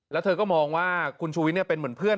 แล้วเธอก็มองว่าคุณชูวิทย์เป็นเหมือนเพื่อน